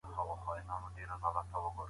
د هغه اثر «العِبر» ډېر اهميت لري.